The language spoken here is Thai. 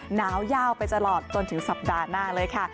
หนาวยาวไปตลอดจนถึงสัปดาห์หน้าเลยค่ะ